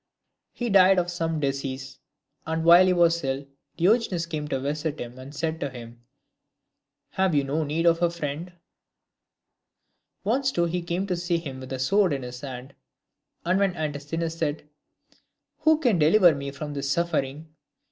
X. He died of some disease ; and while he was ill Diogenes came to visit him, and said to him, "Have you no need of a friend ?" Once too he came to see him with a sword in his hand ; and when Antisthenes said, " Who can deliver me from this suffering?"